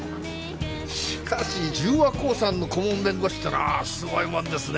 しかし十和興産の顧問弁護士ってのはすごいもんですね。